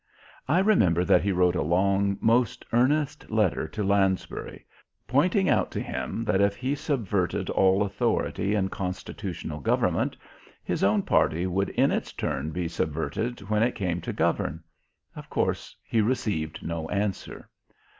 I remember that he wrote a long, most earnest letter to Lansbury, pointing out to him that if he subverted all authority and constitutional government his own party would in its turn be subverted when it came to govern. Of course, he received no answer.